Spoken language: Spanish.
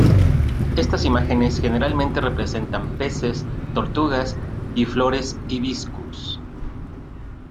Estas imágenes generalmente representan peces, tortugas y flores hibiscus.